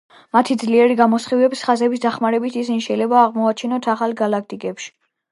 მათი ძლიერი გამოსხივების ხაზების დახმარებით, ისინი შეიძლება აღმოვაჩინოთ ახლო გალაქტიკებში.